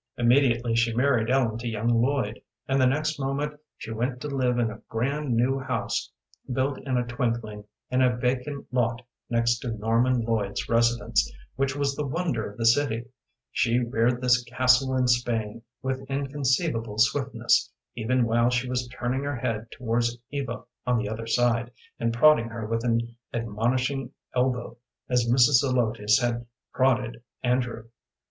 Immediately she married Ellen to young Lloyd, and the next moment she went to live in a grand new house built in a twinkling in a vacant lot next to Norman Lloyd's residence, which was the wonder of the city. She reared this castle in Spain with inconceivable swiftness, even while she was turning her head towards Eva on the other side, and prodding her with an admonishing elbow as Mrs. Zelotes had prodded Andrew.